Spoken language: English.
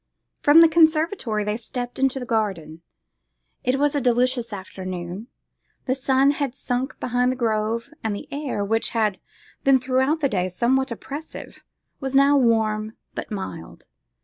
From the conservatory they stepped into the garden. It was a delicious afternoon; the sun had sunk behind the grove, and the air, which had been throughout the day somewhat oppressive, was now warm, but mild.